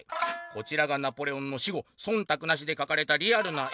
「こちらがナポレオンの死後そんたくなしで描かれたリアルな絵。